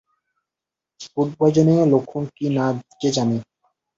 Food পয়জনিং-এর লক্ষণ কি না কে জানে?